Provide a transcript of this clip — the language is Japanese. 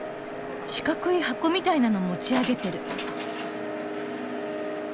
四角い箱みたいなの持ち上げてる。